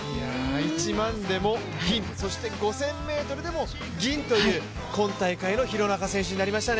１００００でも銀、そして５０００ｍでも銀という、今大会の廣中選手になりましたね。